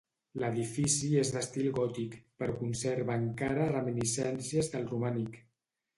L'edifici és d'estil gòtic, però conserva encara reminiscències del romànic.